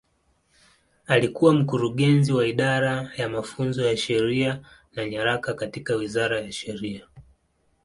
Alikuwa Mkurugenzi wa Idara ya Mafunzo ya Sheria na Nyaraka katika Wizara ya Sheria.